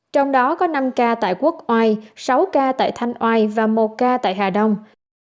trong đó có năm ca tại quốc oai sáu ca tại thanh oai và một ca tại hà đông